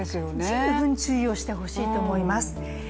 十分注意をしてほしいと思います。